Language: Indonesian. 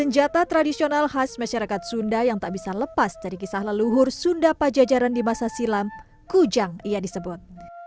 senjata tradisional khas masyarakat sunda yang tak bisa lepas dari kisah leluhur sunda pajajaran di masa silam kujang ia disebut